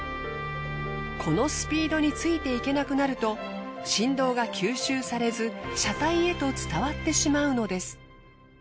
このスピードについていけなくなると振動が吸収されず車体へと伝わってしまうのです。